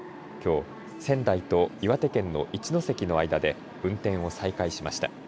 きょう、仙台と岩手県の一ノ関の間で運転を再開しました。